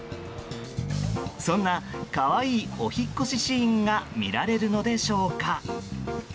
そんな可愛いお引っ越しシーンが見られるのでしょうか。